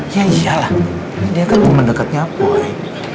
ya iyalah dia kan temen dekatnya boy